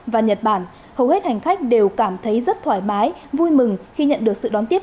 và nhật bản hầu hết hành khách đều cảm thấy rất thoải mái vui mừng khi nhận được sự đón tiếp